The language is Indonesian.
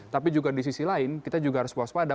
tapi juga di sisi lain kita juga harus waspada